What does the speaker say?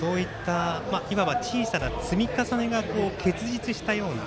小さな積み重ねが結実したような